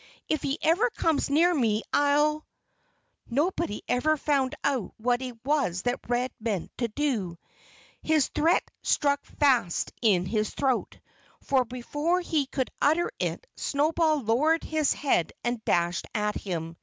If he ever comes near me I'll " Nobody ever found out what it was that Red meant to do. His threat stuck fast in his throat. For before he could utter it Snowball lowered his head and dashed at him.